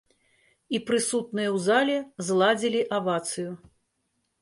І прысутныя ў зале зладзілі авацыю.